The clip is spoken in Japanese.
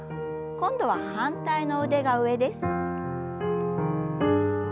今度は反対の腕が上です。